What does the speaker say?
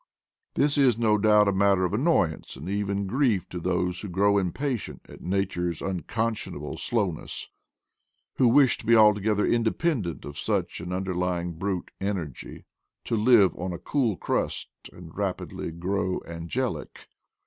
This is, no doubt, a matter of annoyance and even grief to those who grow impatient at Nature's unconscionable slow THE PLAINS OF PATAGONIA 225 ness; who wish to be altogether independent of such an underlying brute energy; to live on a cool crust and rapidly grow angelic.